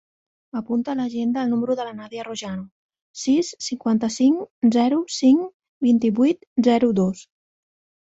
Apunta a l'agenda el número de la Nàdia Rojano: sis, cinquanta-cinc, zero, cinc, vint-i-vuit, zero, dos.